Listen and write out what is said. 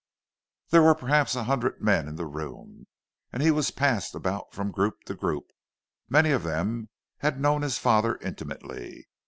There were perhaps a hundred men in the room, and he was passed about from group to group. Many of them had known his father intimately.